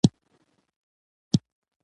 اقتصادي هوساینه له کلتور سره تړي او پرمخ ځي.